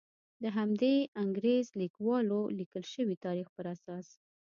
د همدې انګریز لیکوالو لیکل شوي تاریخ په اساس.